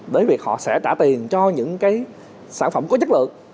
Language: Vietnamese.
bởi việc họ sẽ trả tiền cho những cái sản phẩm có chất lượng